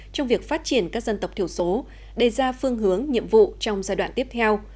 trong việc phát triển các dân tộc thiểu số đề ra phương hướng nhiệm vụ trong giai đoạn tiếp theo